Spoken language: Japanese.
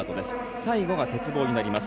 最後が鉄棒になります。